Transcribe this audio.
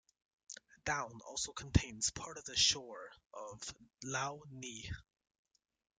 Down also contains part of the shore of Lough Neagh.